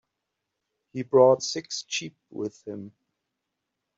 He brought six sheep with him.